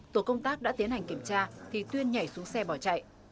tổ công tác đã tiến hành kiểm tra thì tuyên nhảy xuống xe bỏ chạy